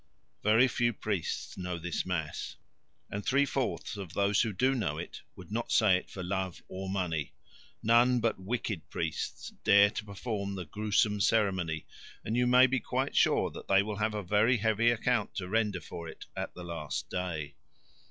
Very few priests know this mass, and three fourths of those who do know it would not say it for love or money. None but wicked priests dare to perform the gruesome ceremony, and you may be quite sure that they will have a very heavy account to render for it at the last day.